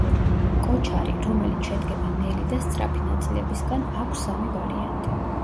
კოჩარი, რომელიც შედგება ნელი და სწრაფი ნაწილებისგან, აქვს სამი ვარიანტი.